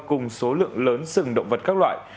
cùng số lượng lớn sừng động vật các loại